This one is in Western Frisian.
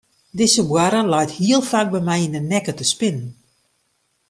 Dizze boarre leit hiel faak by my yn de nekke te spinnen.